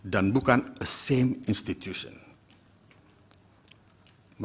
dan bukan institusi yang sama